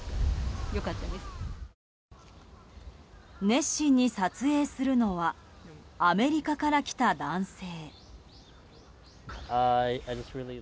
熱心に撮影するのはアメリカから来た男性。